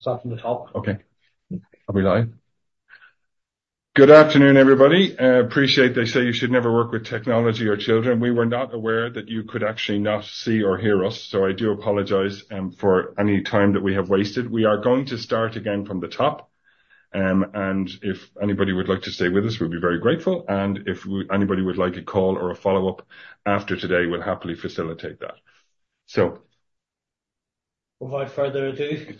Start from the top. Okay. Are we live? Good afternoon, everybody. Appreciate they say you should never work with technology or children. We were not aware that you could actually not see or hear us, so I do apologize for any time that we have wasted. We are going to start again from the top. If anybody would like to stay with us, we'd be very grateful. If anybody would like a call or a follow-up after today, we'll happily facilitate that. So- Without further ado,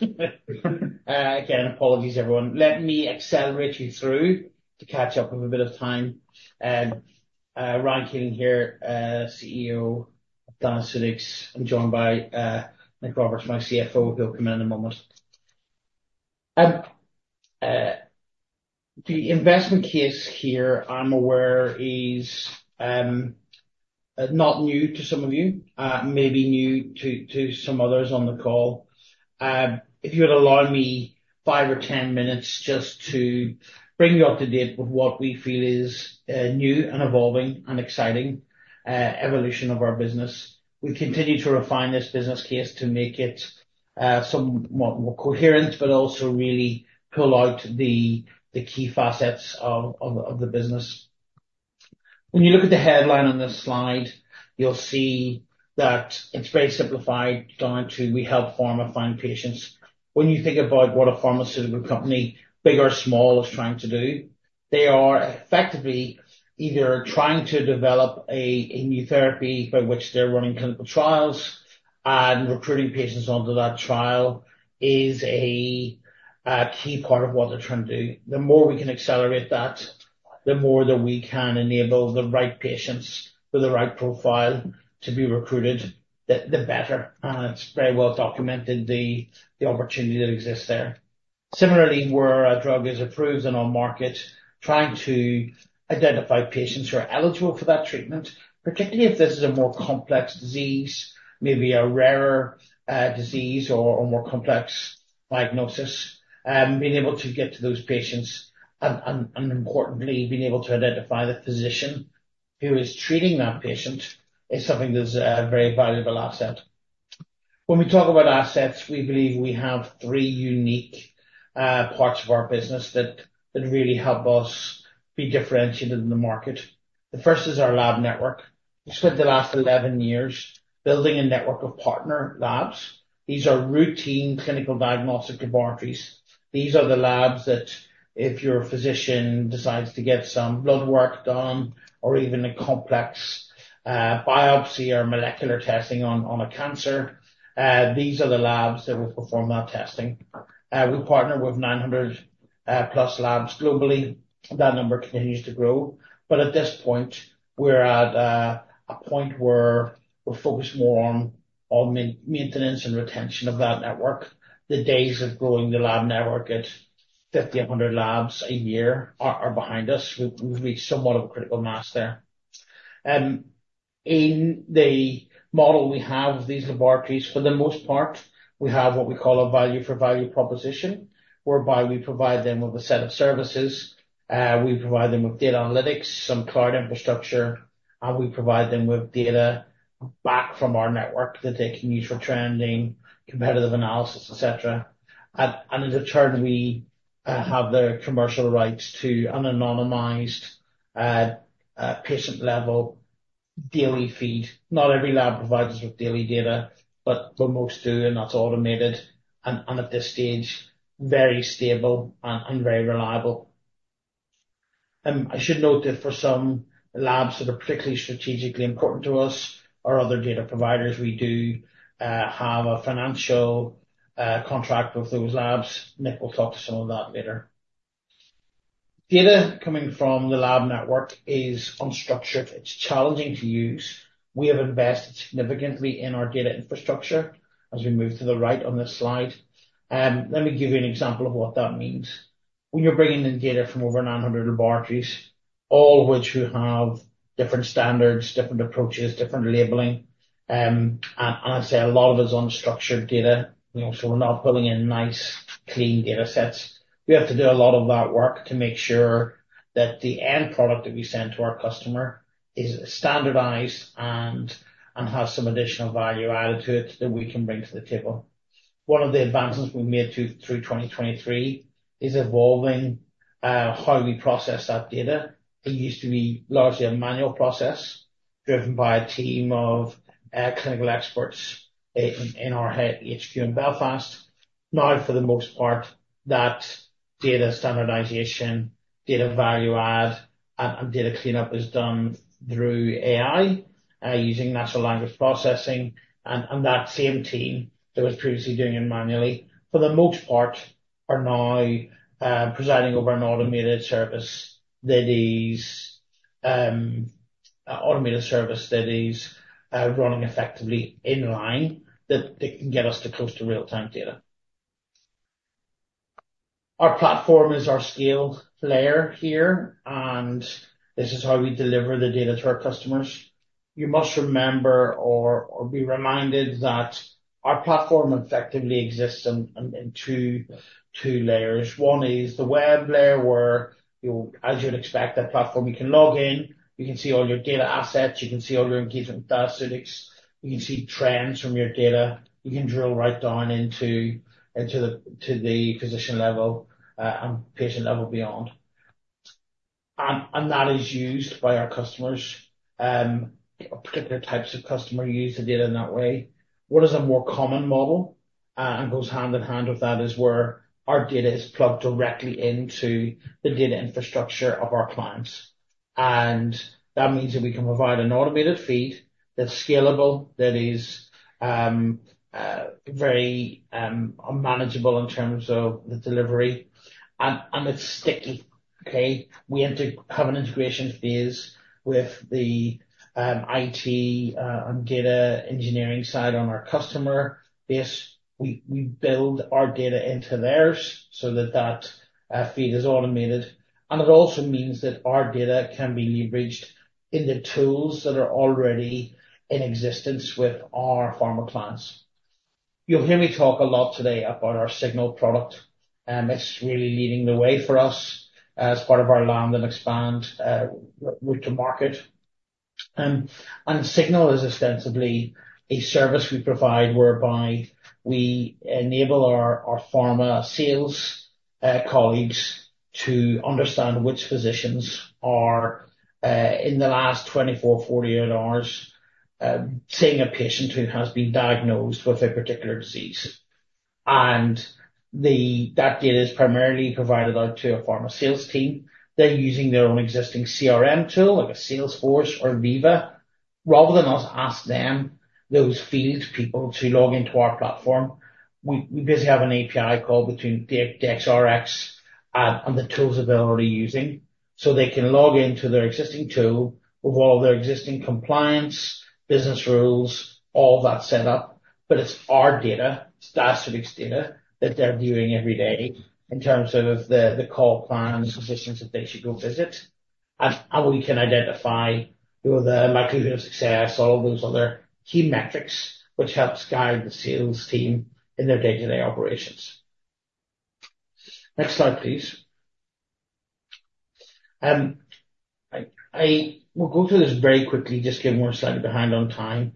again, apologies, everyone. Let me accelerate you through to catch up with a bit of time. Ryan Keeling here, CEO of Diaceutics. I'm joined by Nick Roberts, my CFO, who'll come in in a moment. The investment case here, I'm aware, is not new to some of you. Maybe new to some others on the call. If you would allow me five or 10 minutes just to bring you up to date with what we feel is a new and evolving and exciting evolution of our business. We continue to refine this business case to make it somewhat more coherent, but also really pull out the key facets of the business. When you look at the headline on this slide, you'll see that it's very simplified down to "We help pharma find patients." When you think about what a pharmaceutical company, big or small, is trying to do, they are effectively either trying to develop a new therapy by which they're running clinical trials, and recruiting patients onto that trial is a key part of what they're trying to do. The more we can accelerate that, the more that we can enable the right patients with the right profile to be recruited, the better, and it's very well documented, the opportunity that exists there. Similarly, where a drug is approved and on market, trying to identify patients who are eligible for that treatment, particularly if this is a more complex disease, maybe a rarer disease or more complex diagnosis. Being able to get to those patients and importantly, being able to identify the physician who is treating that patient, is something that's a very valuable asset. When we talk about assets, we believe we have three unique parts of our business that really help us be differentiated in the market. The first is our lab network. We spent the last 11 years building a network of partner labs. These are routine clinical diagnostic laboratories. These are the labs that if your physician decides to get some blood work done or even a complex biopsy or molecular testing on a cancer, these are the labs that will perform that testing. We partner with 900 plus labs globally. That number continues to grow, but at this point, we're at a point where we're focused more on maintenance and retention of that network. The days of growing the lab network at 50, 100 labs a year are behind us. We've reached somewhat of a critical mass there. In the model, we have these laboratories, for the most part, we have what we call a value-for-value proposition, whereby we provide them with a set of services. We provide them with data analytics, some cloud infrastructure, and we provide them with data back from our network that they can use for trending, competitive analysis, et cetera. And in return, we have the commercial rights to an anonymized patient-level daily feed. Not every lab provides us with daily data, but most do, and that's automated, and at this stage, very stable and very reliable. I should note that for some labs that are particularly strategically important to us or other data providers, we do have a financial contract with those labs. Nick will talk to some of that later. Data coming from the lab network is unstructured. It's challenging to use. We have invested significantly in our data infrastructure as we move to the right on this slide. Let me give you an example of what that means. When you're bringing in data from over 900 laboratories, all of which have different standards, different approaches, different labeling, and I'd say a lot of it is unstructured data. You know, so we're not pulling in nice clean data sets. We have to do a lot of that work to make sure that the end product that we send to our customer is standardized and, and has some additional value added to it that we can bring to the table. One of the advances we made through 2023 is evolving how we process that data. It used to be largely a manual process driven by a team of clinical experts in our headquarters in Belfast. Now, for the most part, that data standardization, data value add, and, and data cleanup is done through AI using natural language processing. That same team that was previously doing it manually, for the most part, are now presiding over an automated service that is running effectively in line that can get us to close to real-time data. Our platform is our scaled layer here, and this is how we deliver the data to our customers. You must remember or be reminded that our platform effectively exists in two layers. One is the web layer, where you'll, as you'd expect, that platform, you can log in, you can see all your data assets, you can see all your engagement with Diaceutics, you can see trends from your data, you can drill right down into the physician level and patient level beyond. That is used by our customers, particular types of customer use the data in that way. What is a more common model, and goes hand in hand with that, is where our data is plugged directly into the data infrastructure of our clients. And that means that we can provide an automated feed that's scalable, that is, very manageable in terms of the delivery, and it's sticky. Okay? We have to have an integration phase with the IT and data engineering side on our customer base. We build our data into theirs so that that feed is automated, and it also means that our data can be leveraged in the tools that are already in existence with our pharma clients. You'll hear me talk a lot today about our Signal product, and it's really leading the way for us as part of our land and expand go-to market. And Signal is ostensibly a service we provide whereby we enable our pharma sales colleagues to understand which physicians are in the last 24, 48 hours seeing a patient who has been diagnosed with a particular disease. And that data is primarily provided out to a pharma sales team. They're using their own existing CRM tool, like a Salesforce or Veeva. Rather than us ask them, those field people, to log into our platform, we basically have an API call between DXRX and the tools that they're already using. So they can log into their existing tool with all their existing compliance, business rules, all that set up, but it's our data, Diaceutics data, that they're viewing every day in terms of the, the call plans, physicians that they should go visit. And we can identify who are the likelihood of success, all those other key metrics, which helps guide the sales team in their day-to-day operations. Next slide, please. I will go through this very quickly, just getting we're slightly behind on time.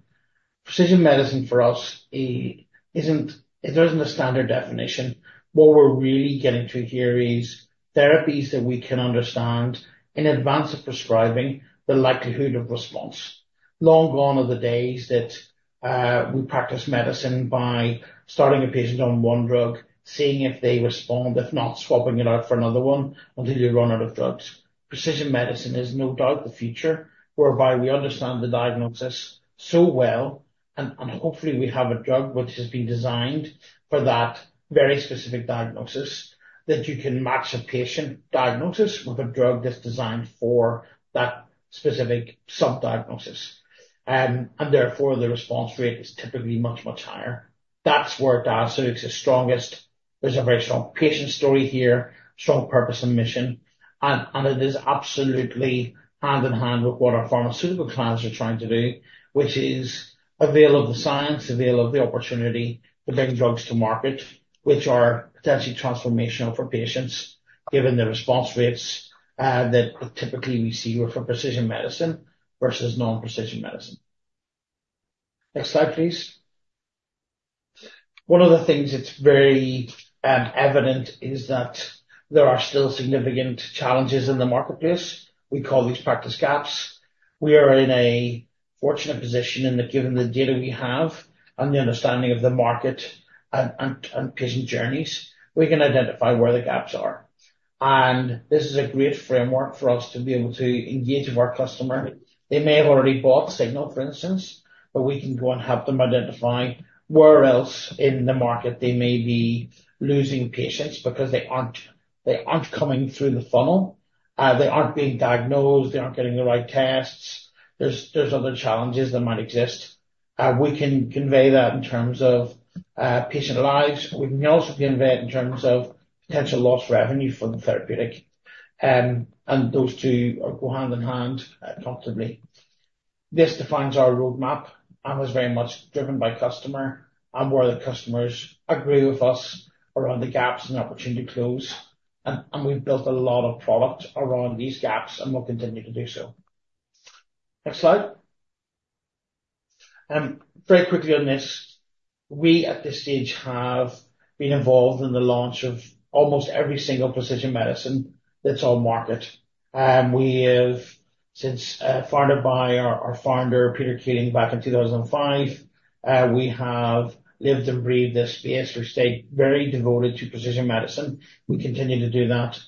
Precision medicine for us, it isn't. There isn't a standard definition. What we're really getting to here is therapies that we can understand in advance of prescribing the likelihood of response. Long gone are the days that we practice medicine by starting a patient on one drug, seeing if they respond, if not, swapping it out for another one until you run out of drugs. Precision medicine is no doubt the future, whereby we understand the diagnosis so well, and hopefully, we have a drug which has been designed for that very specific diagnosis, that you can match a patient diagnosis with a drug that's designed for that specific sub-diagnosis. And therefore, the response rate is typically much, much higher. That's where Diaceutics is strongest. There's a very strong patient story here, strong purpose and mission, and it is absolutely hand in hand with what our pharmaceutical clients are trying to do, which is avail of the science, avail of the opportunity to bring drugs to market, which are potentially transformational for patients, given the response rates that typically we see with from precision medicine versus non-precision medicine. Next slide, please. One of the things that's very evident is that there are still significant challenges in the marketplace. We call these practice gaps. We are in a fortunate position in that, given the data we have and the understanding of the market and patient journeys, we can identify where the gaps are. This is a great framework for us to be able to engage with our customer. They may have already bought Signal, for instance, but we can go and help them identify where else in the market they may be losing patients because they aren't, they aren't coming through the funnel. They aren't being diagnosed, they aren't getting the right tests. There's, there's other challenges that might exist. We can convey that in terms of patient lives. We can also convey it in terms of potential lost revenue for the therapeutic. And those two go hand in hand comfortably. This defines our roadmap and is very much driven by customer and where the customers agree with us around the gaps and opportunity to close. And, and we've built a lot of product around these gaps, and we'll continue to do so. Next slide. Very quickly on this. We, at this stage, have been involved in the launch of almost every single precision medicine that's on market. And we have since, founded by our, our founder, Peter Keeling, back in 2005, we have lived and breathed this space. We stayed very devoted to precision medicine. We continue to do that.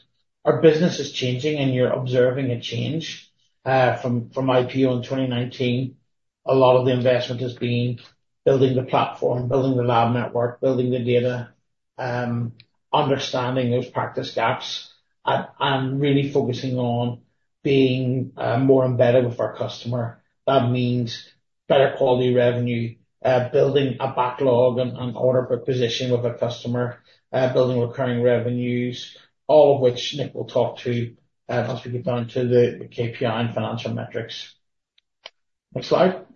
Our business is changing, and you're observing a change, from, from IPO in 2019. A lot of the investment has been building the platform, building the lab network, building the data, understanding those practice gaps, and really focusing on being more embedded with our customer. That means better quality revenue, building a backlog and order of position with a customer, building recurring revenues, all of which Nick will talk to, as we get down to the KPI and financial metrics. Next slide.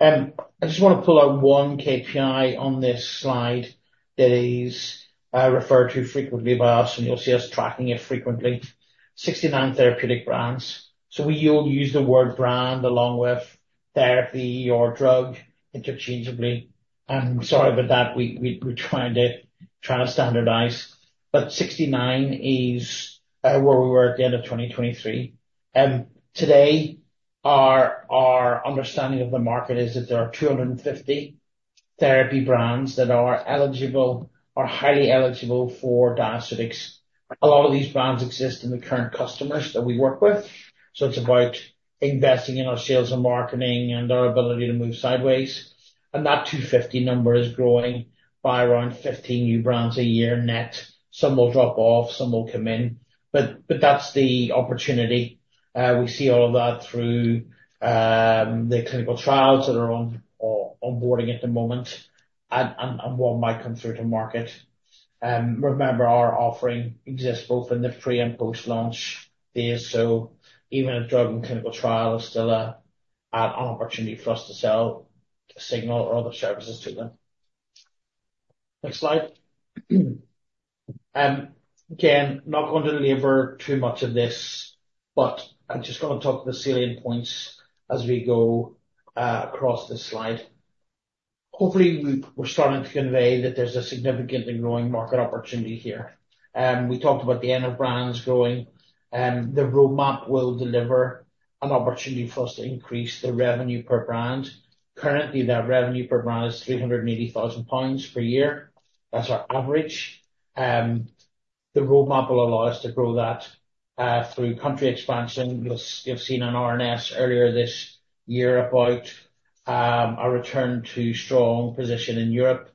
I just want to pull out one KPI on this slide that is referred to frequently by us, and you'll see us tracking it frequently. 69 therapeutic brands. So we usually use the word brand along with therapy or drug interchangeably. I'm sorry about that. We tried trying to standardize, but 69 is where we were at the end of 2023. Today, our understanding of the market is that there are 250 therapy brands that are eligible or highly eligible for Diaceutics. A lot of these brands exist in the current customers that we work with, so it's about investing in our sales and marketing and our ability to move sideways. And that 250 number is growing by around 15 new brands a year, net. Some will drop off, some will come in, but that's the opportunity. We see all of that through the clinical trials that are onboarding at the moment and what might come through to market. Remember, our offering exists both in the pre- and post-launch phase, so even a drug in clinical trial is still an opportunity for us to sell Signal or other services to them. Next slide. Again, not going to labor too much of this, but I'm just gonna talk the salient points as we go across this slide. Hopefully, we're starting to convey that there's a significantly growing market opportunity here. We talked about the number of brands growing, the roadmap will deliver an opportunity for us to increase the revenue per brand. Currently, that revenue per brand is 380,000 pounds per year. That's our average. The roadmap will allow us to grow that, through country expansion. You'll, you'll have seen an RNS earlier this year about, a return to strong position in Europe.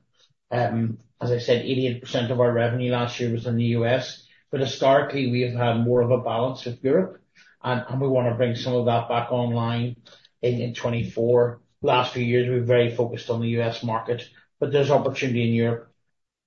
As I said, 88% of our revenue last year was in the U.S.. But historically, we have had more of a balance with Europe, and, and we want to bring some of that back online in, in 2024. Last few years, we've very focused on the U.S. market, but there's opportunity in Europe.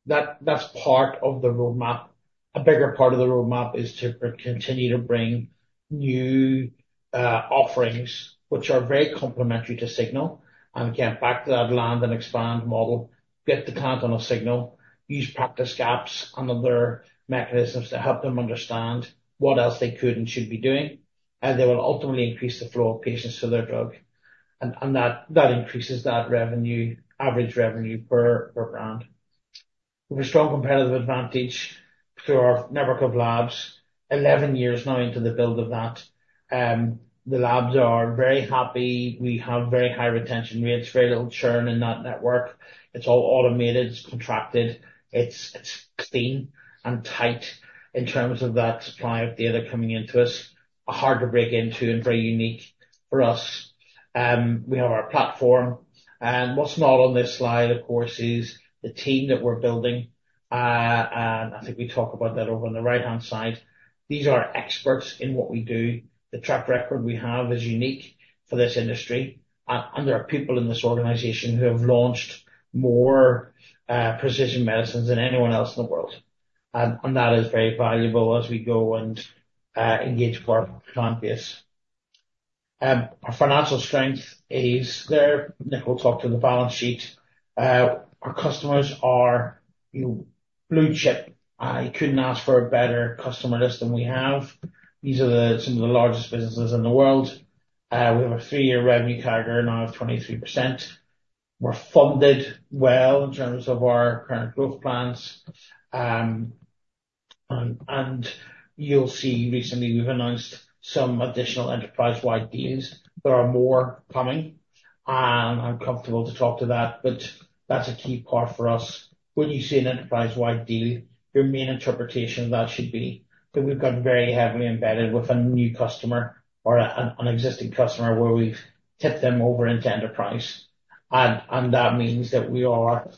That, that's part of the roadmap. A bigger part of the roadmap is to continue to bring new, offerings, which are very complimentary to Signal, and again, back to that land and expand model. Get the client on a Signal, use Practice Gaps and other mechanisms to help them understand what else they could and should be doing, and they will ultimately increase the flow of patients to their drug. And that increases that revenue, average revenue per brand. We have a strong competitive advantage through our network of labs. 11 years now into the build of that, the labs are very happy. We have very high retention rates, very little churn in that network. It's all automated, it's contracted, it's clean and tight in terms of that supply of data coming into us. Hard to break into and very unique for us. We have our platform, and what's not on this slide, of course, is the team that we're building. And I think we talk about that over on the right-hand side. These are experts in what we do. The track record we have is unique for this industry, and there are people in this organization who have launched more precision medicines than anyone else in the world. And that is very valuable as we go and engage with our client base. Our financial strength is there. Nick will talk to the balance sheet. Our customers are blue-chip. I couldn't ask for a better customer list than we have. These are some of the largest businesses in the world. We have a three-year revenue CAGR now of 23%. We're funded well in terms of our current growth plans. And you'll see recently we've announced some additional enterprise-wide deals. There are more coming, and I'm comfortable to talk to that, but that's a key part for us. When you see an enterprise-wide deal, your main interpretation of that should be that we've gotten very heavily embedded with a new customer or an existing customer where we've tipped them over into enterprise. And that means that we are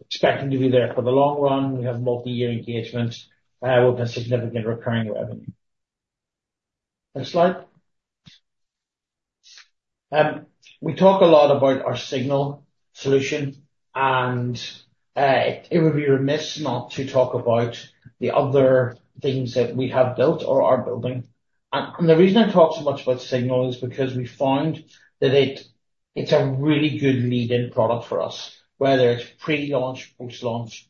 expecting to be there for the long run. We have multi-year engagement with a significant recurring revenue. Next slide. We talk a lot about our Signal solution, and it would be remiss not to talk about the other things that we have built or are building. And the reason I talk so much about Signal is because we found that it's a really good lead-in product for us, whether it's pre-launch, post-launch.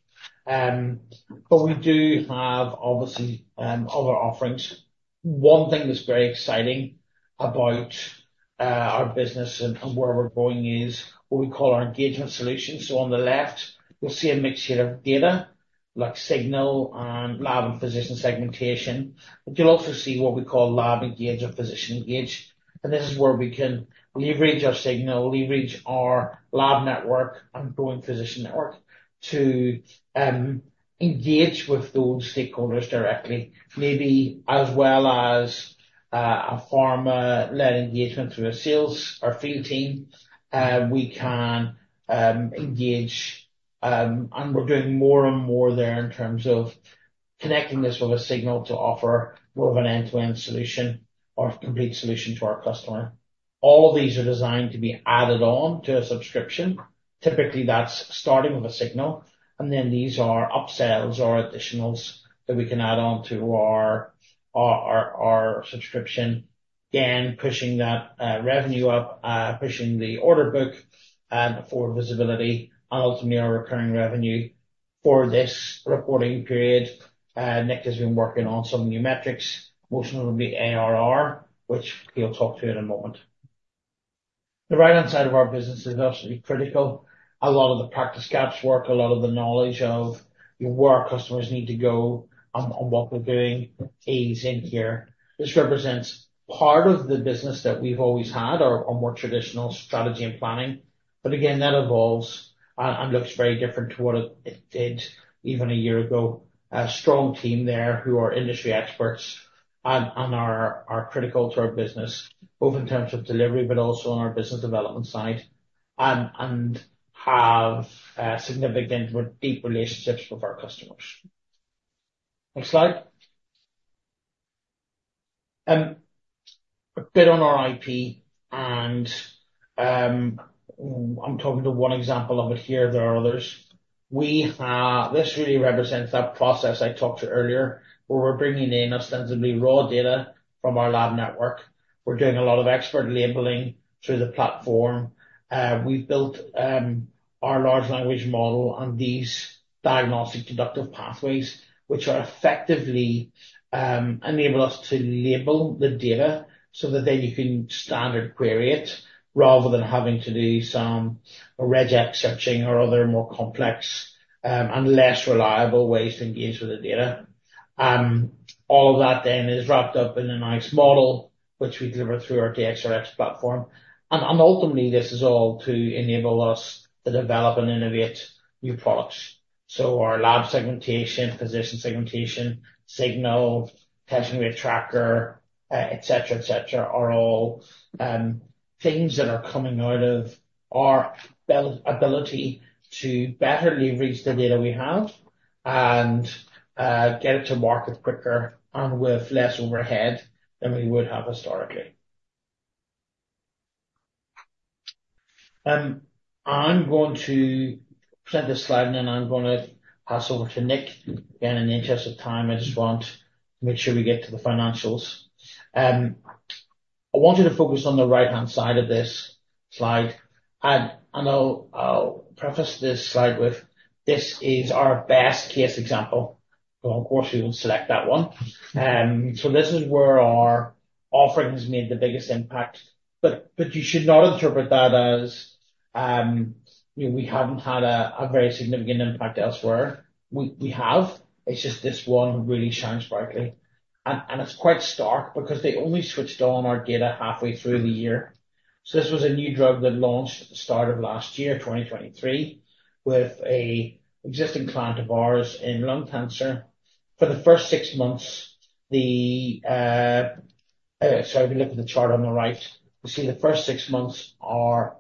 But we do have, obviously, other offerings. One thing that's very exciting about our business and where we're going is what we call our engagement solution. So on the left, you'll see a mixture of data, like Signal and lab and physician segmentation. But you'll also see what we call Lab Engage, Physician Engage. And this is where we can leverage our Signal, leverage our lab network and growing physician network to engage with those stakeholders directly, maybe as well as a pharma-led engagement through a sales or field team. We can engage, and we're doing more and more there in terms of connecting this with a Signal to offer more of an end-to-end solution or a complete solution to our customer. All of these are designed to be added on to a subscription. Typically, that's starting with a Signal, and then these are upsells or additionals that we can add on to our subscription, again, pushing that revenue up, pushing the order book for visibility and ultimately our recurring revenue. For this reporting period, Nick has been working on some new metrics. Most of them will be ARR, which he'll talk to you in a moment. The right-hand side of our business is absolutely critical. A lot of the practice gaps work, a lot of the knowledge of where our customers need to go and what we're doing is in here. This represents part of the business that we've always had, our more traditional strategy and planning. But again, that evolves and looks very different to what it did even a year ago. A strong team there who are industry experts and are critical to our business, both in terms of delivery, but also on our business development side, and have significant and deep relationships with our customers. Next slide. A bit on our IP and I'm talking to one example of it here, there are others. We have. This really represents that process I talked to earlier, where we're bringing in ostensibly raw data from our lab network. We're doing a lot of expert labeling through the platform. We've built our large language model on these Diagnostic Deductive Pathways, which are effectively enable us to label the data so that then you can standard query it, rather than having to do some regex searching or other more complex and less reliable ways to engage with the data. All of that then is wrapped up in a nice model, which we deliver through our DXRX platform. And ultimately, this is all to enable us to develop and innovate new products. So our lab segmentation, physician segmentation, Signal, patient rate tracker, et cetera, et cetera, are all things that are coming out of our ability to better leverage the data we have and get it to market quicker and with less overhead than we would have historically. I'm going to present this slide, and then I'm gonna pass over to Nick. Again, in the interest of time, I just want to make sure we get to the financials. I want you to focus on the right-hand side of this slide, and I'll preface this slide with, this is our best-case example. So of course, we will select that one. So this is where our offerings made the biggest impact, but you should not interpret that as, you know, we haven't had a very significant impact elsewhere. We have. It's just this one really shines brightly. And it's quite stark because they only switched on our data halfway through the year. So this was a new drug that launched at the start of last year, 2023, with an existing client of ours in lung cancer. For the first six months, so if you look at the chart on the right, you'll see the first six months are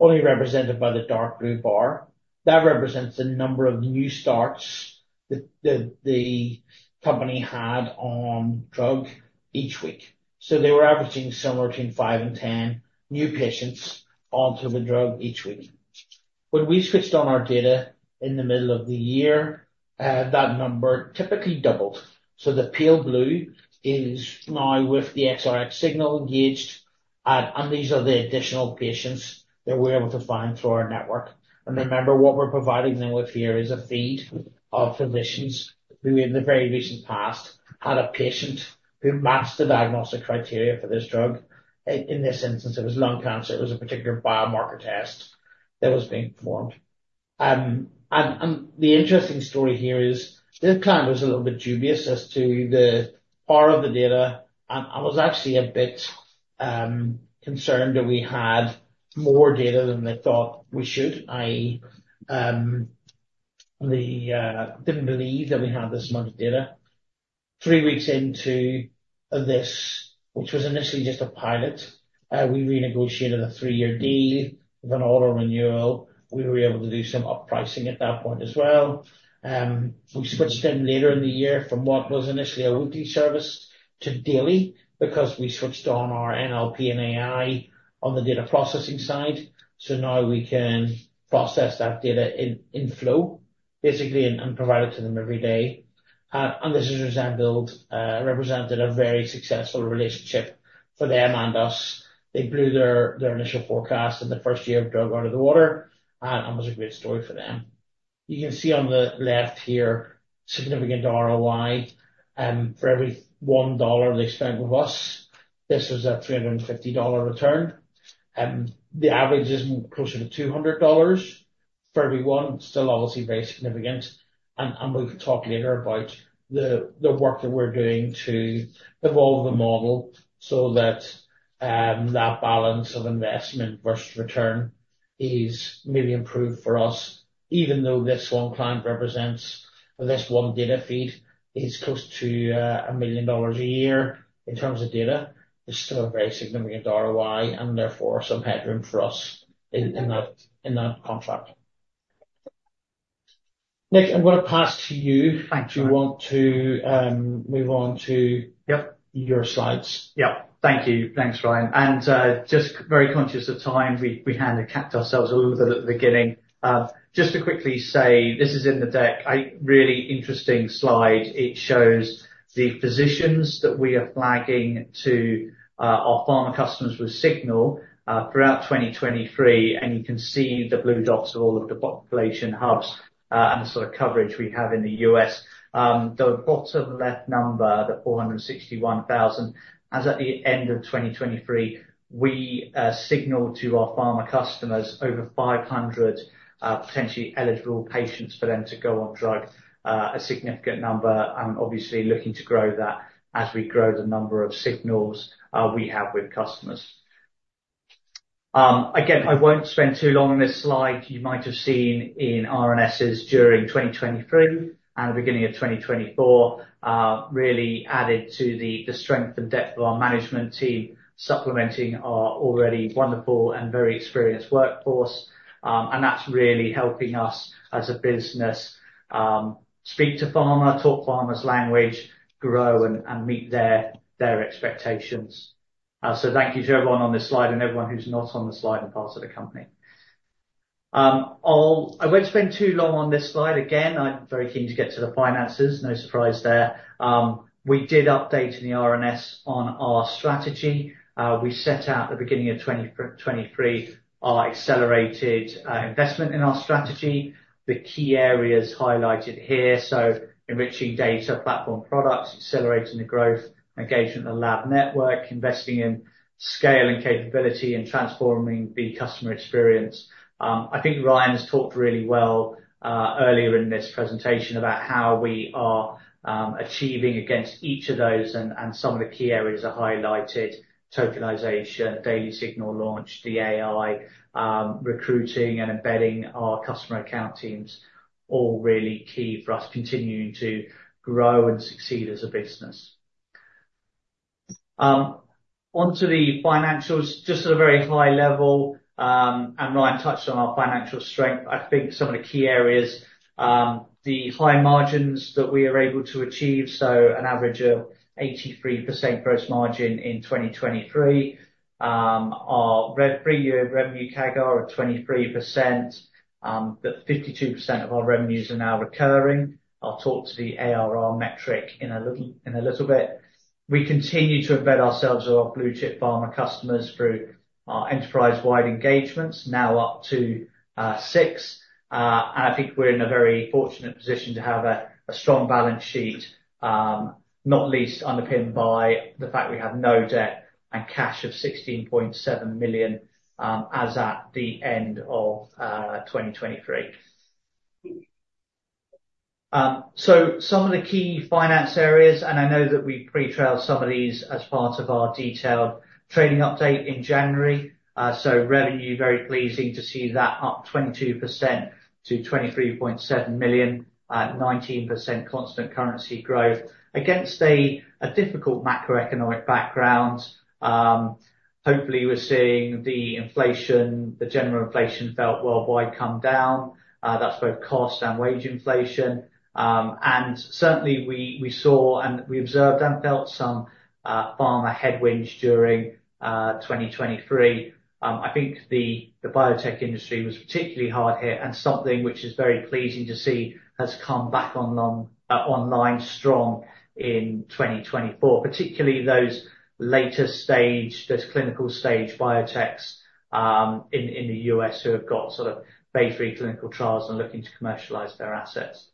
only represented by the dark blue bar. That represents the number of new starts that the company had on drug each week. So they were averaging somewhere between five and 10 new patients onto the drug each week. When we switched on our data in the middle of the year, that number typically doubled. So the pale blue is now with the DXRX Signal engaged, and these are the additional patients that we're able to find through our network. And remember, what we're providing them with here is a feed of physicians who in the very recent past had a patient who matched the diagnostic criteria for this drug. In this instance, it was lung cancer. It was a particular biomarker test that was being performed. And the interesting story here is, this client was a little bit dubious as to the power of the data, and was actually a bit concerned that we had more data than they thought we should, i.e., didn't believe that we had this much data. Three weeks into this, which was initially just a pilot, we renegotiated a 3-year deal with an auto-renewal. We were able to do some up-pricing at that point as well. We switched them later in the year from what was initially a weekly service to daily, because we switched on our NLP and AI on the data processing side. So now we can process that data in flow, basically, and provide it to them every day. And this has represented a very successful relationship for them and us. They blew their initial forecast in the first year of drug out of the water, and it was a great story for them. You can see on the left here, significant ROI. For every $1 they spent with us, this was a $350 return. The average is closer to 200 for every one. Still, obviously, very significant, and we'll talk later about the work that we're doing to evolve the model so that that balance of investment versus return is maybe improved for us. Even though this one client represents, this one data feed is close to $1 million a year in terms of data, it's still a very significant ROI, and therefore, some headroom for us in that contract. Nick, I'm gonna pass to you. Thanks, Ryan. Do you want to move on to- Yep. - your slides? Yep. Thank you. Thanks, Ryan, and just very conscious of time, we kind of capped ourselves a little bit at the beginning. Just to quickly say, this is in the deck, a really interesting slide. It shows the physicians that we are flagging to our pharma customers with Signal throughout 2023, and you can see the blue dots are all of the population hubs and the sort of coverage we have in the U.S. The bottom left number, the 461,000, as at the end of 2023, we signaled to our pharma customers over 500 potentially eligible patients for them to go on drug. A significant number, and obviously looking to grow that as we grow the number of signals we have with customers. Again, I won't spend too long on this slide. You might have seen in RNSs during 2023 and the beginning of 2024, really added to the strength and depth of our management team, supplementing our already wonderful and very experienced workforce. And that's really helping us, as a business, speak to pharma, talk pharma's language, grow, and meet their expectations. So thank you to everyone on this slide and everyone who's not on the slide and part of the company. I'll, I won't spend too long on this slide. Again, I'm very keen to get to the finances. No surprise there. We did update in the RNS on our strategy. We set out at the beginning of 2023, our accelerated investment in our strategy, the key areas highlighted here, so enriching data platform products, accelerating the growth, engagement in the lab network, investing in scale and capability, and transforming the customer experience. I think Ryan has talked really well earlier in this presentation about how we are achieving against each of those, and some of the key areas are highlighted, tokenization, daily Signal launch, the AI, recruiting and embedding our customer account teams. All really key for us continuing to grow and succeed as a business. Onto the financials, just at a very high level, and Ryan touched on our financial strength. I think some of the key areas, the high margins that we are able to achieve, so an average of 83% gross margin in 2023. Our three-year revenue CAGR of 23%, that 52% of our revenues are now recurring. I'll talk to the ARR metric in a little bit. We continue to embed ourselves with our blue-chip pharma customers through our enterprise-wide engagements, now up to 6. And I think we're in a very fortunate position to have a strong balance sheet, not least underpinned by the fact we have no debt and cash of 16.7 million, as at the end of 2023. So some of the key finance areas, and I know that we pre-trialed some of these as part of our detailed trading update in January. So revenue, very pleasing to see that up 22% to $23.7 million at 19% constant currency growth against a difficult macroeconomic background. Hopefully, we're seeing the inflation, the general inflation felt worldwide come down. That's both cost and wage inflation, and certainly, we saw and observed and felt some pharma headwinds during 2023. I think the biotech industry was particularly hard hit, and something which is very pleasing to see, has come back online strong in 2024, particularly those later stage, those clinical stage biotechs in the U.S., who have got sort of phase 3 clinical trials and are looking to commercialize their assets.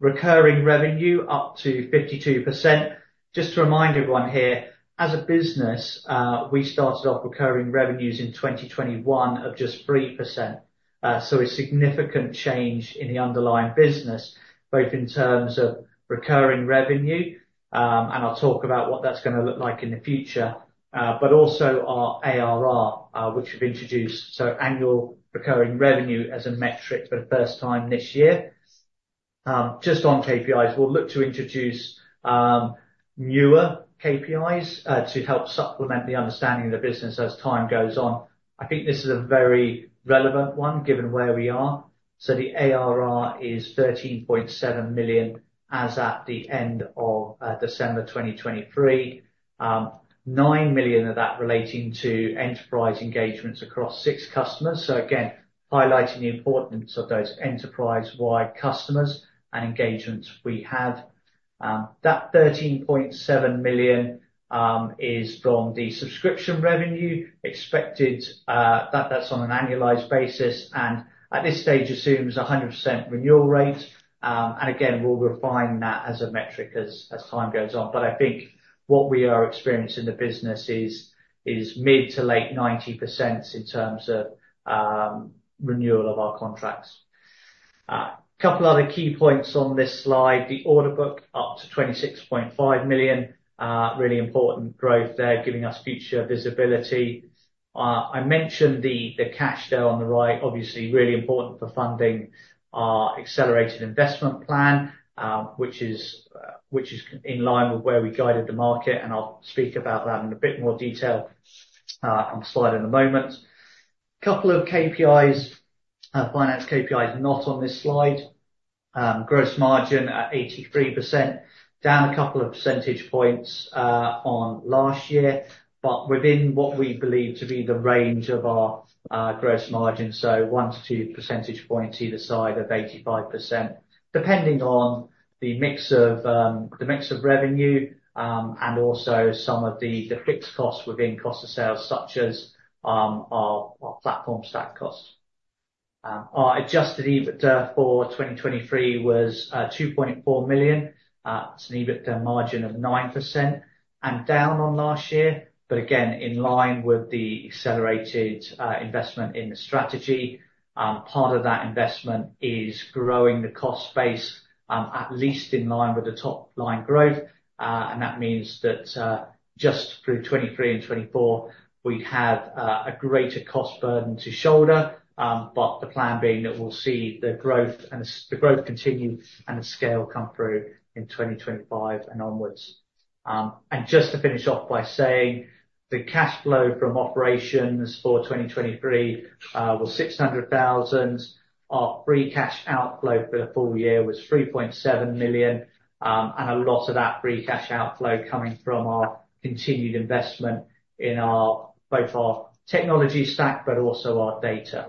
Recurring revenue, up to 52%. Just to remind everyone here, as a business, we started off recurring revenues in 2021 of just 3%, so a significant change in the underlying business, both in terms of recurring revenue, and I'll talk about what that's gonna look like in the future, but also our ARR, which we've introduced, so annual recurring revenue as a metric for the first time this year. Just on KPIs, we'll look to introduce newer KPIs to help supplement the understanding of the business as time goes on. I think this is a very relevant one, given where we are. So the ARR is 13.7 million as at the end of December 2023. Nine million of that relating to enterprise engagements across six customers, so again, highlighting the importance of those enterprise-wide customers and engagements we have. That 13.7 million is from the subscription revenue, expected. That's on an annualized basis, and at this stage, assumes a 100% renewal rate. And again, we'll refine that as a metric as time goes on, but I think what we are experiencing in the business is mid- to late-90%s in terms of renewal of our contracts. Couple other key points on this slide, the order book up to 26.5 million. Really important growth there, giving us future visibility. I mentioned the cash there on the right, obviously really important for funding our accelerated investment plan, which is in line with where we guided the market, and I'll speak about that in a bit more detail on the slide in a moment. Couple of KPIs, finance KPIs not on this slide. Gross margin at 83%, down a couple of percentage points on last year, but within what we believe to be the range of our gross margin, so 1-2 percentage points either side of 85%, depending on the mix of revenue, and also some of the fixed costs within cost of sales, such as our platform stack cost. Our adjusted EBITDA for 2023 was 2.4 million. That's an EBITDA margin of 9% and down on last year, but again, in line with the accelerated investment in the strategy. Part of that investment is growing the cost base, at least in line with the top line growth, and that means that, just through 2023 and 2024, we have a greater cost burden to shoulder, but the plan being that we'll see the growth and the growth continue and the scale come through in 2025 and onwards. And just to finish off by saying the cash flow from operations for 2023 was $600,000. Our free cash outflow for the full year was $3.7 million, and a lot of that free cash outflow coming from our continued investment in our, both our technology stack, but also our data.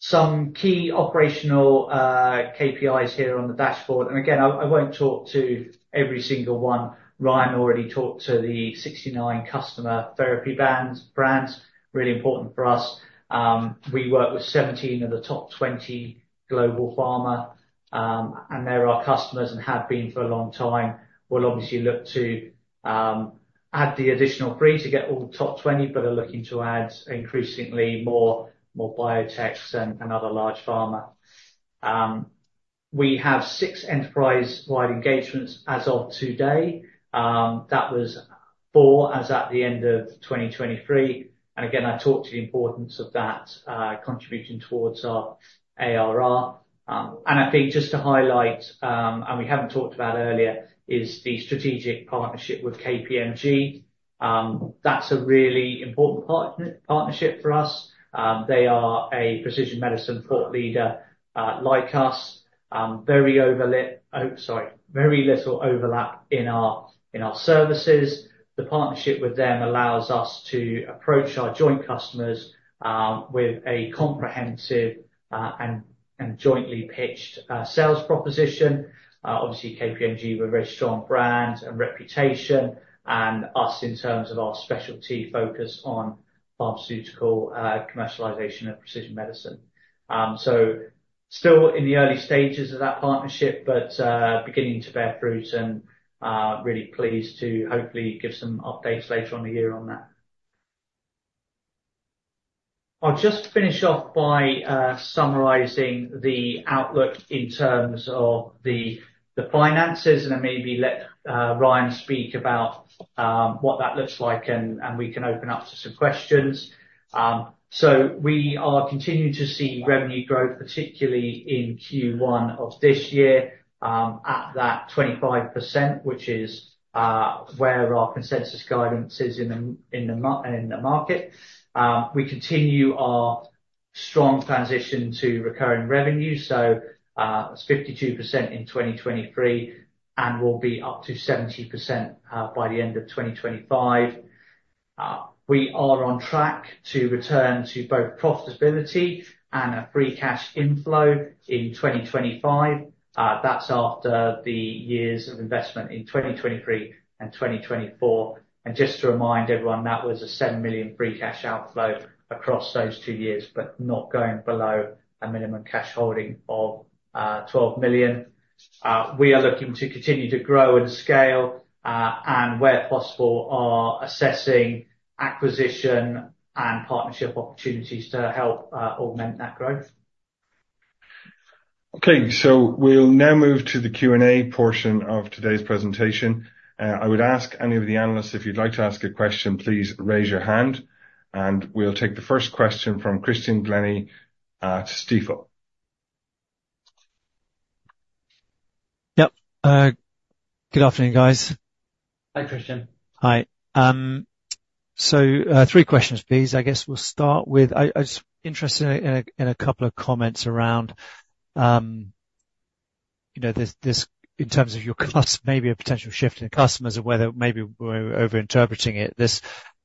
Some key operational KPIs here on the dashboard, and again, I won't talk to every single one. Ryan already talked to the 69 customer therapy brands, brands, really important for us. We work with 17 of the top 20 global pharma, and they're our customers and have been for a long time. We'll obviously look to add the additional three to get all the top 20, but are looking to add increasingly more, more biotechs and, and other large pharma. We have six enterprise-wide engagements as of today. That was four, as at the end of 2023, and again, I talked to the importance of that, contributing towards our ARR. I think just to highlight, and we haven't talked about earlier, is the strategic partnership with KPMG. That's a really important partnership for us. They are a precision medicine thought leader, like us. Very little overlap in our services. The partnership with them allows us to approach our joint customers with a comprehensive and jointly pitched sales proposition. Obviously, KPMG were a very strong brand and reputation, and us, in terms of our specialty, focus on pharmaceutical commercialization of precision medicine. So still in the early stages of that partnership, but beginning to bear fruit and really pleased to hopefully give some updates later on the year on that. I'll just finish off by summarizing the outlook in terms of the finances and then maybe let Ryan speak about what that looks like, and we can open up to some questions. So we are continuing to see revenue growth, particularly in Q1 of this year, at that 25%, which is where our consensus guidance is in the market. We continue our strong transition to recurring revenue, so it's 52% in 2023, and will be up to 70%, by the end of 2025. We are on track to return to both profitability and a free cash inflow in 2025. That's after the years of investment in 2023 and 2024. And just to remind everyone, that was a $7 million free cash outflow across those two years, but not going below a minimum cash holding of $12 million. We are looking to continue to grow and scale, and where possible, are assessing acquisition and partnership opportunities to help augment that growth. Okay, so we'll now move to the Q&A portion of today's presentation. I would ask any of the analysts, if you'd like to ask a question, please raise your hand, and we'll take the first question from Christian Glennie at Stifel. Yep. Good afternoon, guys. Hi, Christian. Hi. So, three questions, please. I guess we'll start with... I was just interested in a couple of comments around, you know, this, this, in terms of your customers, maybe a potential shift in the customers or whether maybe we're overinterpreting it, this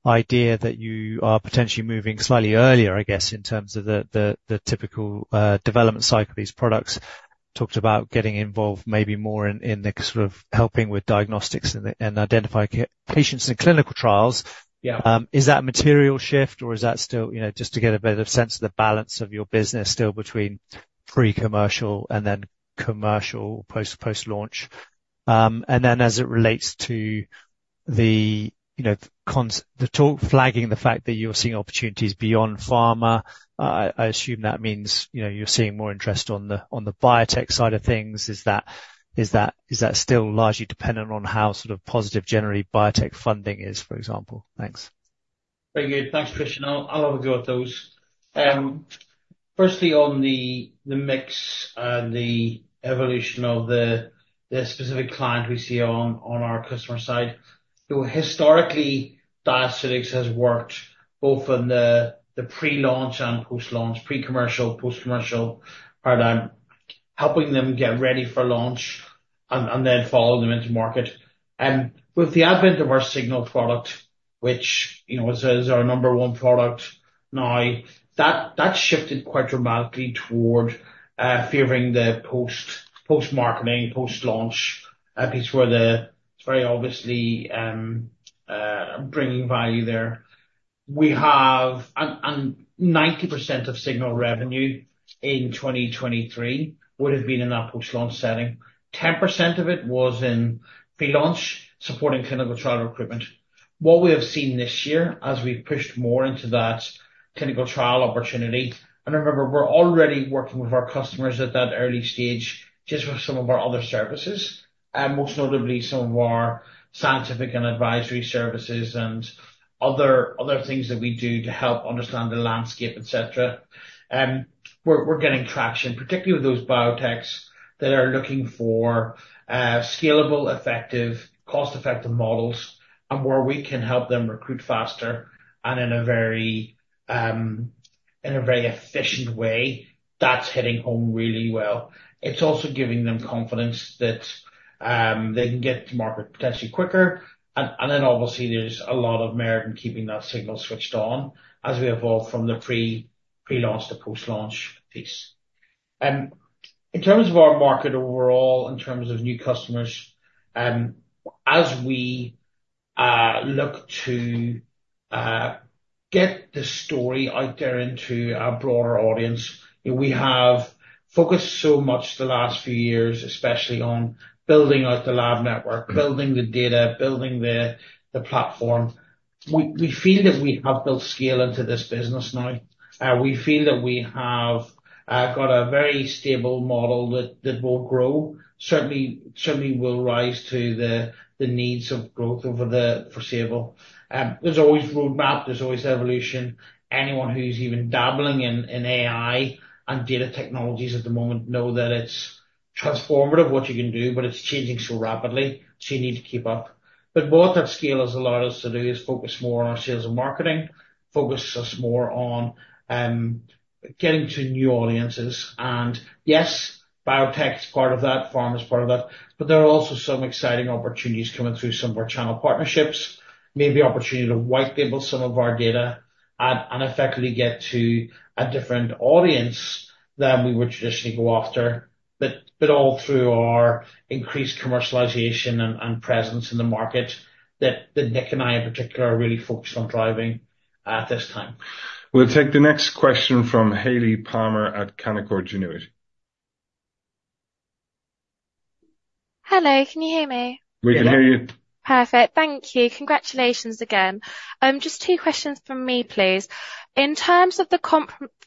idea that you are potentially moving slightly earlier, I guess, in terms of the typical development cycle of these products. Talked about getting involved maybe more in the sort of helping with diagnostics and the and identifying certain patients in clinical trials. Yeah. Is that a material shift, or is that still, you know, just to get a better sense of the balance of your business still between pre-commercial and then commercial, post, post-launch? And then, as it relates to the, you know, the talk flagging the fact that you're seeing opportunities beyond pharma, I assume that means, you know, you're seeing more interest on the, on the biotech side of things. Is that, is that, is that still largely dependent on how sort of positive generally biotech funding is, for example? Thanks. Very good. Thanks, Christian. I'll have a go at those. Firstly, on the mix and the evolution of the specific client we see on our customer side. So historically, Diaceutics has worked both in the pre-launch and post-launch, pre-commercial, post-commercial paradigm, helping them get ready for launch and then following them into market. And with the advent of our Signal product, which, you know, is our number one product now, that's shifted quite dramatically toward favoring the post-marketing, post-launch, because we're very obviously bringing value there. We have... And 90% of Signal revenue in 2023 would have been in that post-launch setting. 10% of it was in pre-launch, supporting clinical trial recruitment. What we have seen this year, as we've pushed more into that clinical trial opportunity, and remember, we're already working with our customers at that early stage, just with some of our other services.... And most notably some of our scientific and advisory services and other, other things that we do to help understand the landscape, et cetera. We're getting traction, particularly with those biotechs that are looking for scalable, effective, cost-effective models, and where we can help them recruit faster and in a very efficient way, that's hitting home really well. It's also giving them confidence that they can get to market potentially quicker. And then obviously there's a lot of merit in keeping that signal switched on as we evolve from the pre-launch to post-launch piece. In terms of our market overall, in terms of new customers, as we look to get the story out there into a broader audience, we have focused so much the last few years, especially on building out the lab network, building the data, building the platform. We feel that we have built scale into this business now, we feel that we have got a very stable model that will grow. Certainly, certainly will rise to the needs of growth over the foreseeable. There's always roadmap, there's always evolution. Anyone who's even dabbling in AI and data technologies at the moment know that it's transformative, what you can do, but it's changing so rapidly, so you need to keep up. But what that scale has allowed us to do is focus more on our sales and marketing, focus us more on getting to new audiences. And yes, biotech is part of that, pharma is part of that, but there are also some exciting opportunities coming through some of our channel partnerships. Maybe opportunity to white label some of our data and effectively get to a different audience than we would traditionally go after. But all through our increased commercialization and presence in the market, that Nick and I in particular are really focused on driving at this time. We'll take the next question from Hayley Palmer at Canaccord Genuity. Hello, can you hear me? We can hear you. Perfect. Thank you. Congratulations again. Just two questions from me, please. In terms of the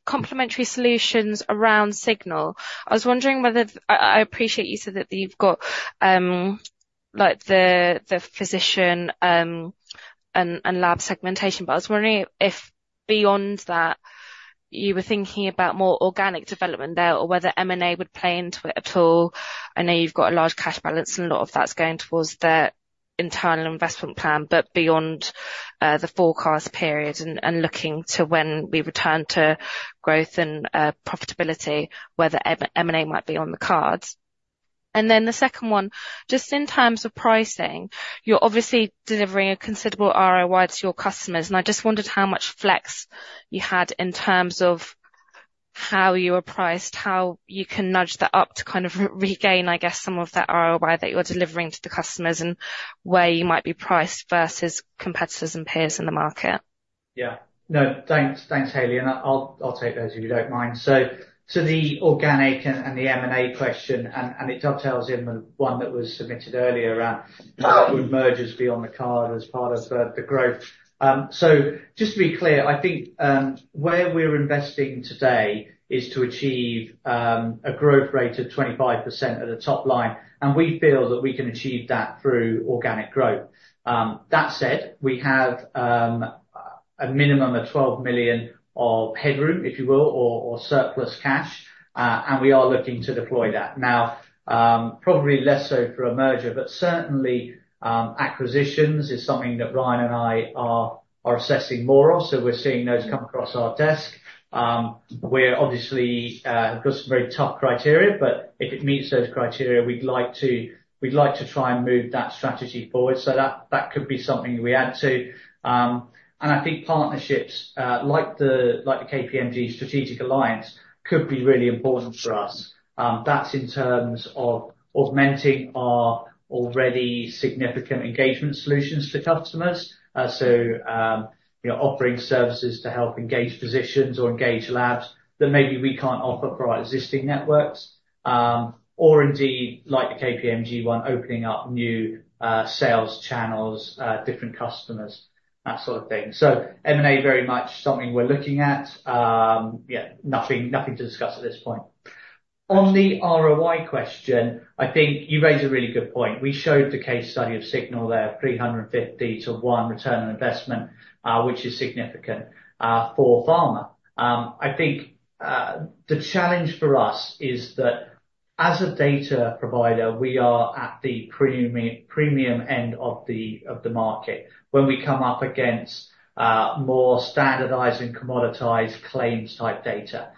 complementary solutions around Signal, I was wondering whether... I appreciate you said that you've got, like, the physician and lab segmentation, but I was wondering if beyond that, you were thinking about more organic development there, or whether M&A would play into it at all? I know you've got a large cash balance, and a lot of that's going towards the internal investment plan, but beyond the forecast period and looking to when we return to growth and profitability, whether M&A might be on the cards. And then the second one, just in terms of pricing, you're obviously delivering a considerable ROI to your customers, and I just wondered how much flex you had in terms of how you are priced, how you can nudge that up to kind of re-regain, I guess, some of that ROI that you're delivering to the customers, and where you might be priced versus competitors and peers in the market? Yeah. No, thanks, Hayley, and I'll take those, if you don't mind. So, to the organic and the M&A question, and it dovetails in the one that was submitted earlier around- Um- Would mergers be on the card as part of the growth? So just to be clear, I think where we're investing today is to achieve a growth rate of 25% at the top line, and we feel that we can achieve that through organic growth. That said, we have a minimum of $12 million of headroom, if you will, or surplus cash, and we are looking to deploy that. Now, probably less so for a merger, but certainly, acquisitions is something that Ryan and I are assessing more of, so we're seeing those come across our desk. We're obviously got some very tough criteria, but if it meets those criteria, we'd like to try and move that strategy forward, so that could be something we add to. And I think partnerships like the KPMG strategic alliance could be really important for us. That's in terms of augmenting our already significant engagement solutions for customers. So, we are offering services to help engage physicians or engage labs that maybe we can't offer through our existing networks. Or indeed, like the KPMG one, opening up new sales channels, different customers, that sort of thing. So M&A very much something we're looking at. Yeah, nothing to discuss at this point. On the ROI question, I think you raise a really good point. We showed the case study of Signal there, 350-to-1 return on investment, which is significant for pharma. I think, the challenge for us is that as a data provider, we are at the premium end of the market when we come up against more standardized and commoditized claims-type data.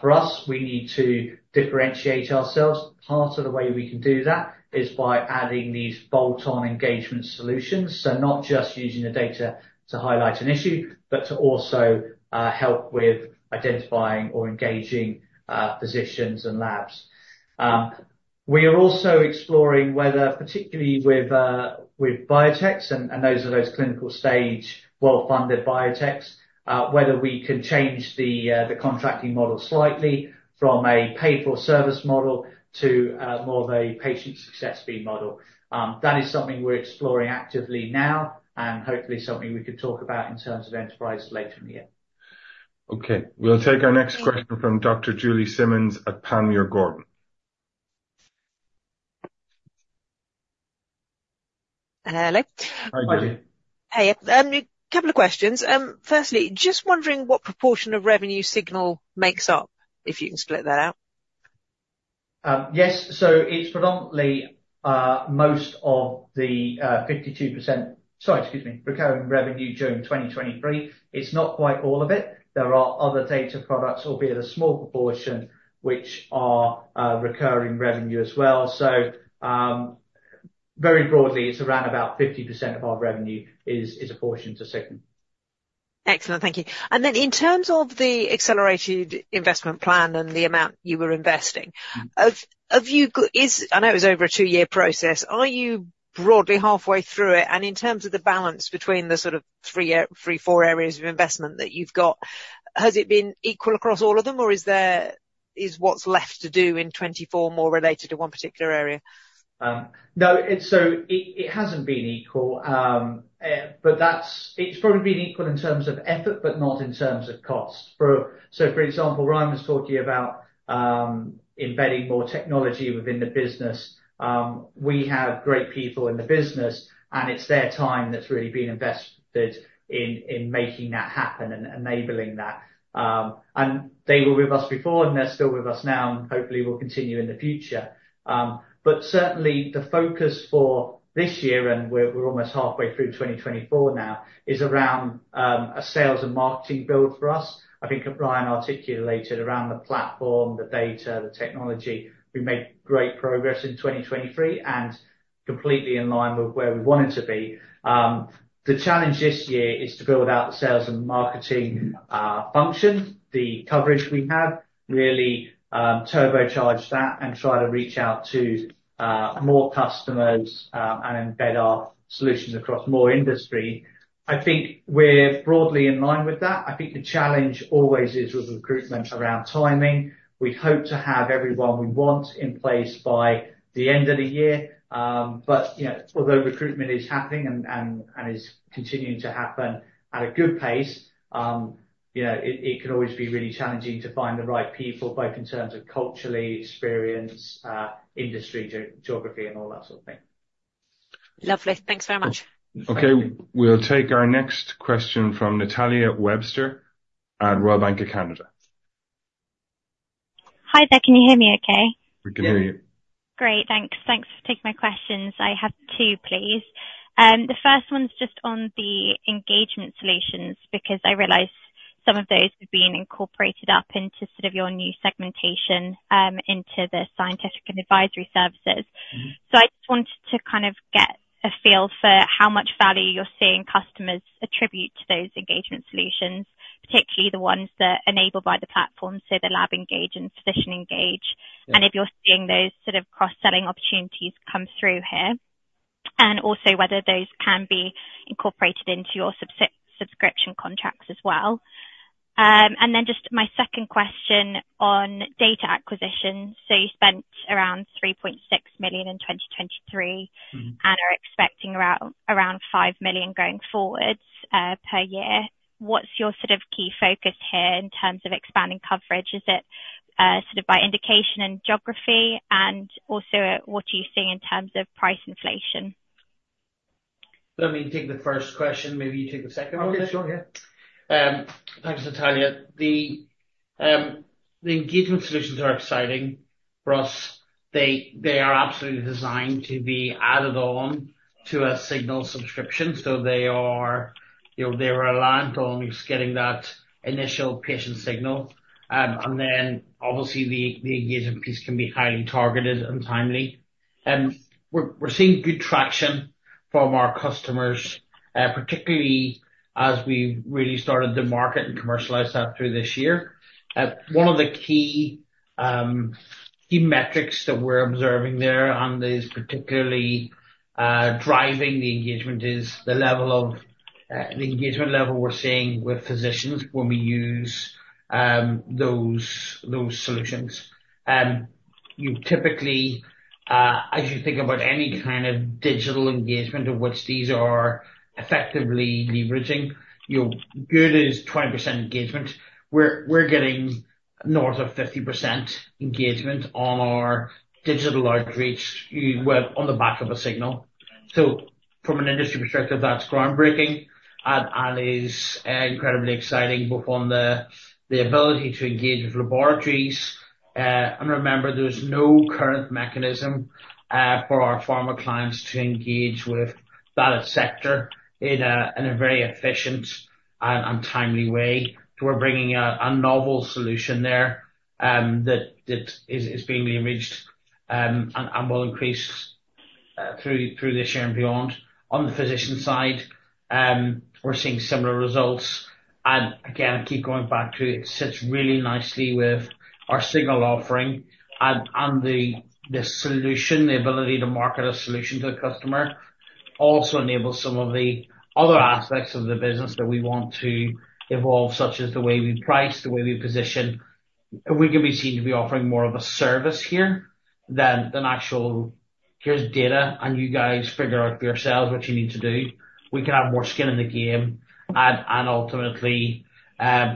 For us, we need to differentiate ourselves. Part of the way we can do that is by adding these bolt-on engagement solutions. So not just using the data to highlight an issue, but to also help with identifying or engaging physicians and labs. We are also exploring whether, particularly with biotechs and those clinical-stage, well-funded biotechs, whether we can change the contracting model slightly from a pay-for-service model to more of a patient success fee model. That is something we're exploring actively now and hopefully something we can talk about in terms of enterprise later in the year. Okay, we'll take our next question from Dr. Julie Simmonds at Panmure Gordon. ... Hello? Hi. Hey, a couple of questions. Firstly, just wondering what proportion of revenue Signal makes up, if you can split that out? Yes. So it's predominantly most of the 52%—Sorry, excuse me—recurring revenue during 2023. It's not quite all of it, there are other data products, albeit a small proportion, which are recurring revenue as well. So, very broadly, it's around about 50% of our revenue is a portion to Signal. Excellent. Thank you. And then in terms of the accelerated investment plan and the amount you were investing, have you, I know it was over a two-year process, are you broadly halfway through it? And in terms of the balance between the sort of three, four areas of investment that you've got, has it been equal across all of them, or is there, is what's left to do in 2024 more related to one particular area? No, it's so it hasn't been equal. But that's. It's probably been equal in terms of effort, but not in terms of cost. So for example, Ryan was talking about embedding more technology within the business. We have great people in the business, and it's their time that's really been invested in making that happen and enabling that. And they were with us before, and they're still with us now, and hopefully will continue in the future. But certainly the focus for this year, and we're almost halfway through 2024 now, is around a sales and marketing build for us. I think Ryan articulated around the platform, the data, the technology. We made great progress in 2023, and completely in line with where we wanted to be. The challenge this year is to build out the sales and marketing function, the coverage we have. Really, turbocharge that and try to reach out to more customers, and embed our solutions across more industry. I think we're broadly in line with that. I think the challenge always is with recruitment around timing. We hope to have everyone we want in place by the end of the year. But, you know, although recruitment is happening and is continuing to happen at a good pace, you know, it can always be really challenging to find the right people, both in terms of culturally, experience, industry, geography, and all that sort of thing. Lovely. Thanks very much. Okay. We'll take our next question from Natalia Webster at Royal Bank of Canada. Hi there, can you hear me okay? We can hear you. Yeah. Great. Thanks. Thanks for taking my questions. I have two, please. The first one's just on the engagement solutions, because I realized some of those have been incorporated up into sort of your new segmentation into the scientific and advisory services. Mm-hmm. So I just wanted to kind of get a feel for how much value you're seeing customers attribute to those engagement solutions, particularly the ones that are enabled by the platform, so the Lab Engage and Physician Engage. Yeah. If you're seeing those sort of cross-selling opportunities come through here, and also whether those can be incorporated into your subscription contracts as well. Then just my second question on data acquisition. So you spent around 3.6 million in 2023- Mm-hmm... and are expecting around 5 million going forward, per year. What's your sort of key focus here in terms of expanding coverage? Is it sort of by indication and geography? And also, what are you seeing in terms of price inflation? Let me take the first question, maybe you take the second one. Okay, sure. Yeah. Thanks, Natalia. The engagement solutions are exciting for us. They are absolutely designed to be added on to a Signal subscription. So they are, you know, they're reliant on us getting that initial patient signal, and then obviously, the engagement piece can be highly targeted and timely. We're seeing good traction from our customers, particularly as we've really started to market and commercialize that through this year. One of the key metrics that we're observing there, and is particularly driving the engagement, is the level of the engagement level we're seeing with physicians when we use those solutions. You typically, as you think about any kind of digital engagement, of which these are effectively leveraging, you know, good is 20% engagement. We're getting north of 50% engagement on our digital outreach on the back of a Signal. So from an industry perspective, that's groundbreaking and is incredibly exciting, both on the ability to engage with laboratories, and remember there is no current mechanism for our pharma clients to engage with that sector in a very efficient and timely way. So we're bringing a novel solution there that is being leveraged and will increase through this year and beyond. On the physician side, we're seeing similar results. And again, I keep going back to it sits really nicely with our Signal offering and the solution, the ability to market a solution to the customer, also enables some of the other aspects of the business that we want to evolve, such as the way we price, the way we position. We can be seen to be offering more of a service here than an actual, "Here's data, and you guys figure out for yourselves what you need to do." We can have more skin in the game and ultimately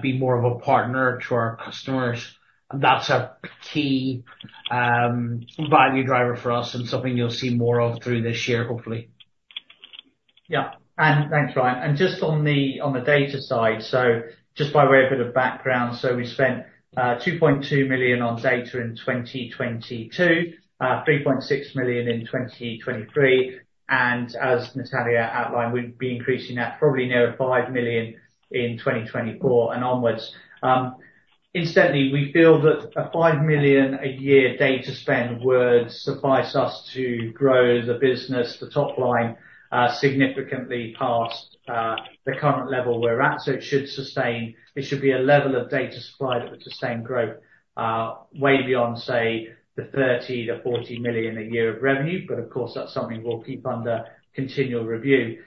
be more of a partner to our customers. That's a key value driver for us, and something you'll see more of through this year, hopefully. Yeah, and thanks, Ryan. And just on the data side, so just by way of bit of background, so we spent $2.2 million on data in 2022, $3.6 million in 2023, and as Natalia outlined, we'd be increasing that probably near $5 million in 2024 and onwards. In essence, we feel that a $5 million a year data spend would suffice us to grow the business, the top line, significantly past the current level we're at. So it should sustain. It should be a level of data supply that would sustain growth way beyond, say, the $30 million-$40 million a year of revenue. But of course, that's something we'll keep under continual review.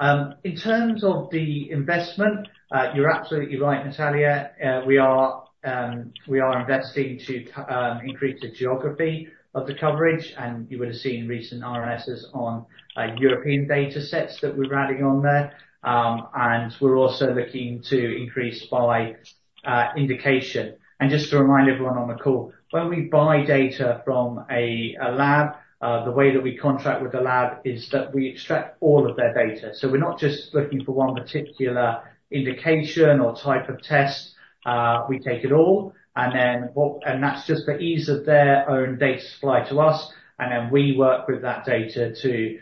In terms of the investment, you're absolutely right, Natalia, we are investing to increase the geography of the coverage, and you would've seen recent RNSs on European data sets that we're adding on there. And we're also looking to increase by indication. And just to remind everyone on the call, when we buy data from a lab, the way that we contract with the lab is that we extract all of their data. So we're not just looking for one particular indication or type of test, we take it all, and that's just for ease of their own data supply to us, and then we work with that data to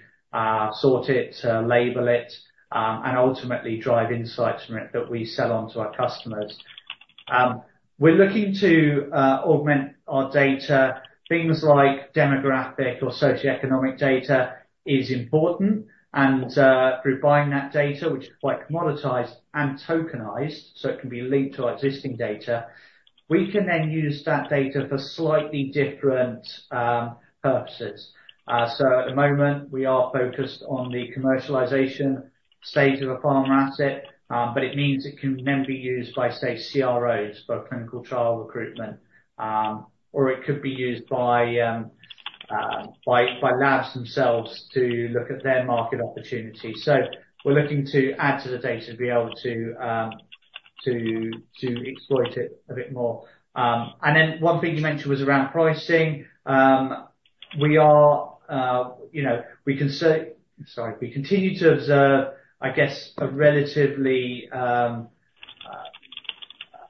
sort it, label it, and ultimately drive insights from it that we sell on to our customers. We're looking to augment our data. Things like demographic or socioeconomic data is important, and through buying that data, which is quite commoditized and tokenized, so it can be linked to our existing data, we can then use that data for slightly different purposes. So at the moment, we are focused on the commercialization stage of a pharma asset, but it means it can then be used by, say, CROs, for clinical trial recruitment. Or it could be used by labs themselves to look at their market opportunities. So we're looking to add to the data to be able to to exploit it a bit more. And then one thing you mentioned was around pricing. We are, you know, we continue to observe, I guess, a relatively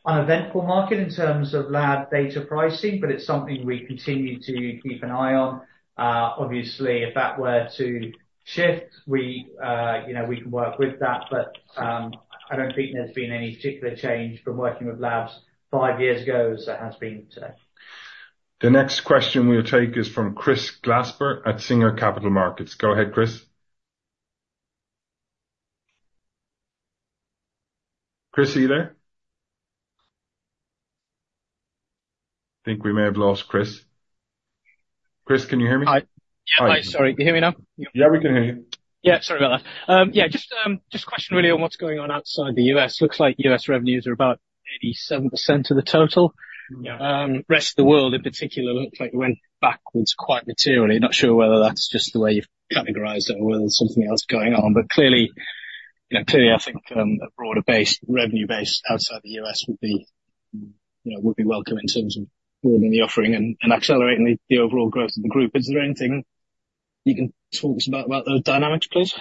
uneventful market in terms of lab data pricing, but it's something we continue to keep an eye on. Obviously, if that were to shift, we, you know, we can work with that. But, I don't think there's been any particular change from working with labs five years ago, as there has been today. The next question we'll take is from Chris Glasper at Singer Capital Markets. Go ahead, Chris. Chris, are you there? I think we may have lost Chris. Chris, can you hear me? Hi. Yeah, hi. Sorry, can you hear me now? Yeah, we can hear you. Yeah, sorry about that. Yeah, just a question really on what's going on outside the U.S. Looks like U.S. revenues are about 87% of the total. Yeah. Rest of the world, in particular, looks like it went backwards quite materially. Not sure whether that's just the way you've categorized it or whether there's something else going on, but clearly, you know, clearly, I think, a broader base, revenue base outside the U.S. would be, you know, would be welcome in terms of broadening the offering and, and accelerating the, the overall growth of the group. Is there anything you can talk to us about, about those dynamics, please?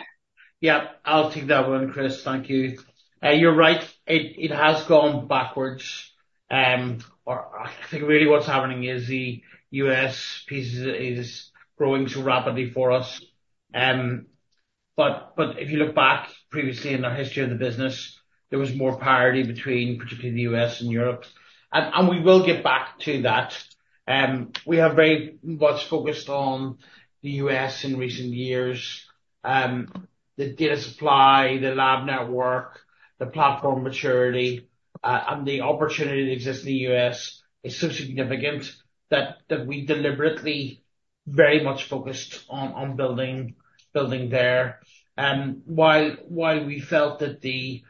Yeah. I'll take that one, Chris. Thank you. You're right. It has gone backwards. Or I think really what's happening is the U.S. piece is growing too rapidly for us. But if you look back previously in the history of the business, there was more parity between particularly the U.S. and Europe. And we will get back to that. We have very much focused on the U.S. in recent years. The data supply, the lab network, the platform maturity, and the opportunity that exists in the U.S. is so significant that we deliberately very much focused on building there. While we felt that the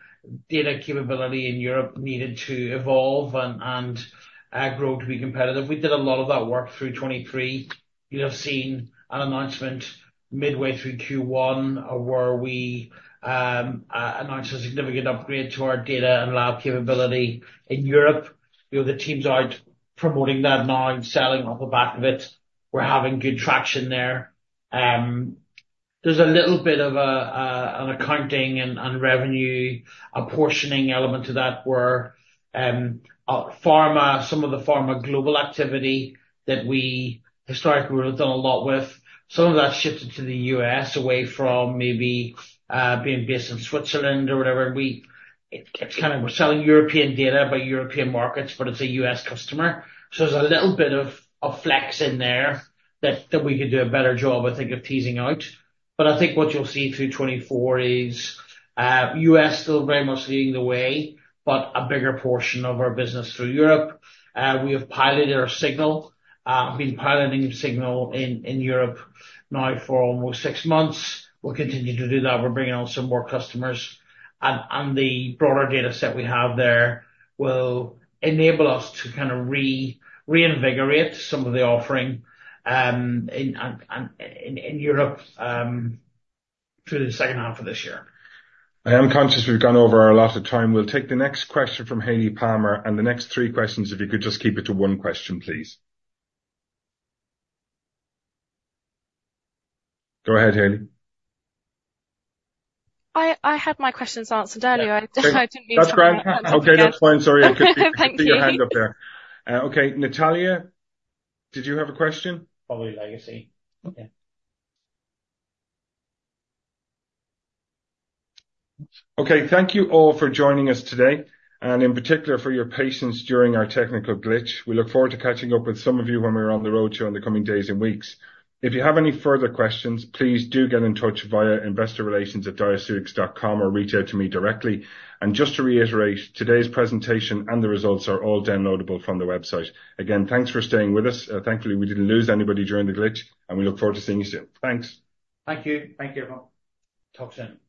data capability in Europe needed to evolve and grow to be competitive, we did a lot of that work through 2023. You have seen an announcement midway through Q1, where we announced a significant upgrade to our data and lab capability in Europe. You know, the teams are out promoting that now and selling off the back of it. We're having good traction there. There's a little bit of an accounting and revenue apportioning element to that, where pharma, some of the pharma global activity that we historically would've done a lot with, some of that's shifted to the U.S. away from maybe being based in Switzerland or wherever. It, it's kind of we're selling European data by European markets, but it's a U.S. customer. So there's a little bit of flex in there that we could do a better job, I think, of teasing out. But I think what you'll see through 2024 is, U.S. still very much leading the way, but a bigger portion of our business through Europe. We have piloted our Signal. We've been piloting Signal in Europe now for almost six months. We'll continue to do that. We're bringing on some more customers, and the broader dataset we have there will enable us to kind of reinvigorate some of the offering, in Europe, through the second half of this year. I am conscious we've gone over our allotted time. We'll take the next question from Hayley Palmer, and the next three questions, if you could just keep it to one question, please. Go ahead, Hayley. I had my questions answered earlier. Yeah. I didn't- That's great. Okay, that's fine. Sorry. Thank you. I could see your hand up there. Okay, Natalia, did you have a question? Probably legacy. Okay. Okay, thank you all for joining us today, and in particular, for your patience during our technical glitch. We look forward to catching up with some of you when we're on the roadshow in the coming days and weeks. If you have any further questions, please do get in touch via investorrelations@diaceutics.com, or reach out to me directly. And just to reiterate, today's presentation and the results are all downloadable from the website. Again, thanks for staying with us. Thankfully, we didn't lose anybody during the glitch, and we look forward to seeing you soon. Thanks. Thank you. Thank you, everyone. Talk soon.